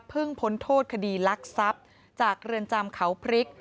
พ้นโทษคดีลักทรัพย์จากเรือนจำเขาพริก